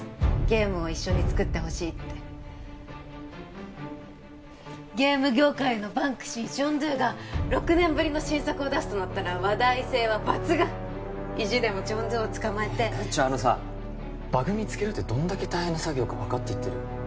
ゲームを一緒に作ってほしいってゲーム業界のバンクシージョン・ドゥが６年ぶりの新作を出すとなったら話題性は抜群意地でもジョン・ドゥをつかまえてちょっあのさバグ見つけるってどんだけ大変な作業か分かって言ってる？